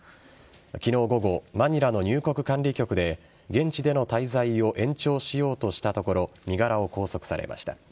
昨日午後マニラの入国管理局で現地での滞在を延長しようとしたところ身柄を拘束されました。